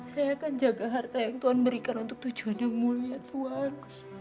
saya akan jaga harta yang tuhan berikan untuk tujuan yang mulia tuhan